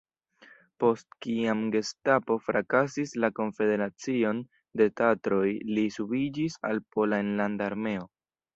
Post kiam gestapo frakasis la Konfederacion de Tatroj li subiĝis al Pola Enlanda Armeo.